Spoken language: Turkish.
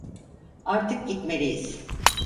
Artık gitmeliyiz.